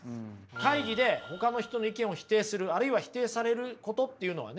会議でほかの人の意見を否定するあるいは否定されることっていうのはね